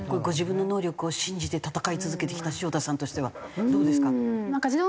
ご自分の能力を信じて戦い続けてきた潮田さんとしてはどうですか？